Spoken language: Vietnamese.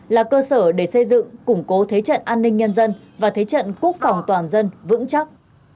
là cơ sở để xây dựng củng cố thế trận an ninh nhân dân và thế trận quốc phòng toàn dân vững chắc